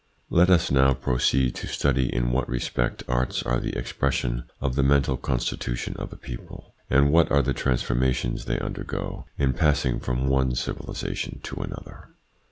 Let us now proceed to study in what respect arts are the expression of the mental constitution of a people, and what are the transformations they under go in passing from one civilisation to another.